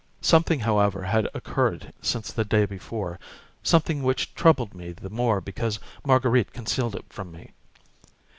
Something, however, had occurred since the day before, something which troubled me the more because Marguerite concealed it from me.